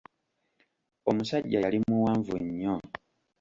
Omusajja yali muwanvu nnyo!